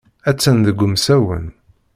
Attan deg umsawen.